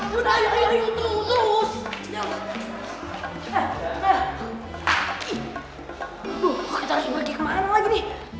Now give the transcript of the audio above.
saya mau telfon